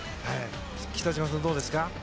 北島さん、どうですか？